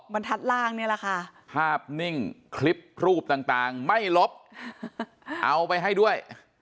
บรรทัดล่างนี่แหละค่ะภาพนิ่งคลิปรูปต่างไม่ลบเอาไปให้ด้วย